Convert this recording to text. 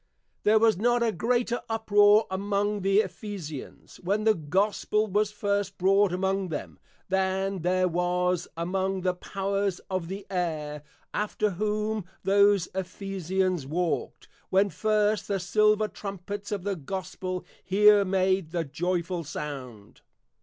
_ There was not a greater Uproar among the Ephesians, when the Gospel was first brought among them, than there was among, The Powers of the Air (after whom those Ephesians walked) when first the Silver Trumpets of the Gospel here made the Joyful Sound.